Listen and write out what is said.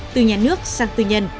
từ nhà nước sang tư nhân